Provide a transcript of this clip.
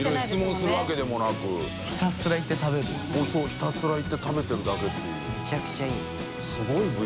ひたすら行って食べてるだけっていう。